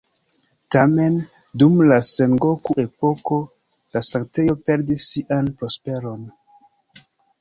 Tamen, dum la Sengoku-epoko la sanktejo perdis sian prosperon.